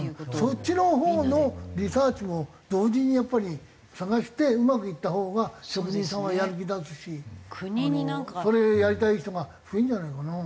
そっちのほうのリサーチも同時にやっぱり探してうまくいったほうが職人さんはやる気出すしそれやりたい人が増えるんじゃないかな？